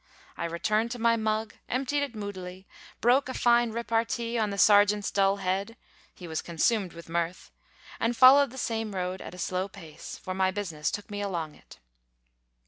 I returned to my mug, emptied it moodily, broke a fine repartee on the sergeant's dull head (he was consumed with mirth), and followed the same road at a slow pace; for my business took me along it.